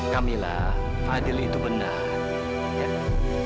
kamilah fadil itu benar